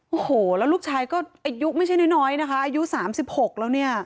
โอ้โหและลูกชายก็อายุไม่ใช่น้อยอายุ๓๖แล้ว